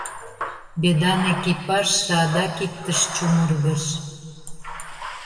«Бедан» экипажше адак иктыш чумыргыш.